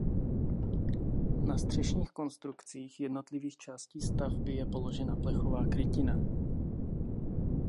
Na střešních konstrukcích jednotlivých částí stavby je položena plechová krytina.